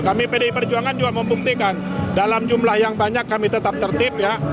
kami pdi perjuangan juga membuktikan dalam jumlah yang banyak kami tetap tertip ya